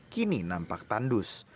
kini nampak tandus